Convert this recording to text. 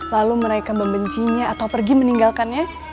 lalu mereka membencinya atau pergi meninggalkannya